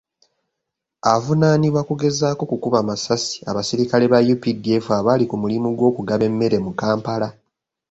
Avuunaanibwa kugezaako kukuba masasi abasirikale ba UPDF abaali ku mulimu gw'okugaba emmere mu Kampala.